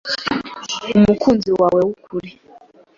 Umukunzi wawe w'ukuri